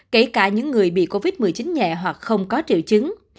kể cả những người bị covid một mươi chín nhẹ hoặc không có triệu chứng